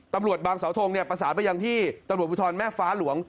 ตำรวจบางสาวทงประสานไปยังที่ตำรวจภูทรแม่ฟ้าหลวง